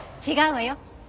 違うわよ。